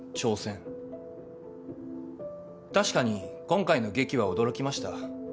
確かに今回の劇は驚きました。